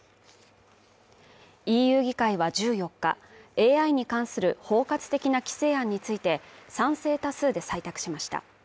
ＥＵ議会は１４日、ＡＩに関する包括的な規制案について、賛成多数で採択しました。